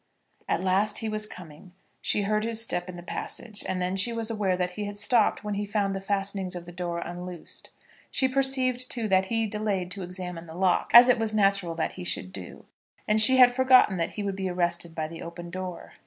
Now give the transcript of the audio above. At last he was coming. She heard his step in the passage, and then she was aware that he had stopped when he found the fastenings of the door unloosed. She perceived too that he delayed to examine the lock, as it was natural that he should do; and she had forgotten that he would be arrested by the open door.